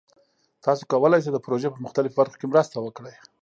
تاسو کولی شئ د پروژې په مختلفو برخو کې مرسته وکړئ.